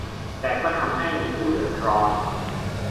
แต่ก็ทำให้มีผู้เดือดร้อน